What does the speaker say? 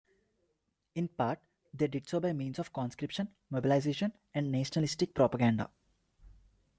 In part, they did so by means of conscription, mobilization, and nationalistic propaganda.